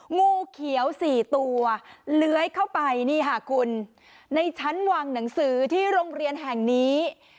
งูเขียวสี่ตัวเลื้อยเข้าไปนี่ค่ะคุณในชั้นวางหนังสือที่โรงเรียนแห่งนี้